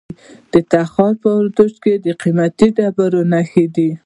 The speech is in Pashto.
د تخار په ورسج کې د قیمتي ډبرو نښې دي.